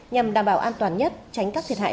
nhằm đảm bảo an toàn nhất tránh các thiệt hại